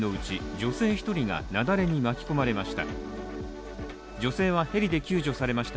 女性１人が雪崩に巻き込まれました。